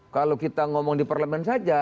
kalau kita ngomong di parlemen saja